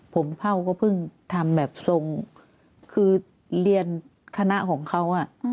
ผมเผ่าก็เพิ่งทำแบบทรงคือเรียนคณะของเขา